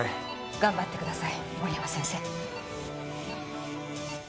頑張ってください森山先生。